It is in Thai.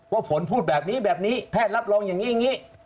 ผลพูดแบบนี้แบบนี้แพทย์รับรองอย่างนี้อย่างนี้